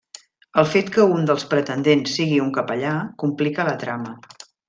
El fet que un dels pretendents sigui un capellà complica la trama.